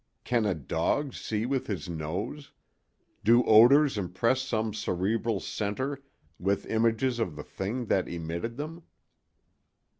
"Can a dog see with his nose? Do odors impress some cerebral centre with images of the thing that emitted them?